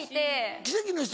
『奇跡の人』？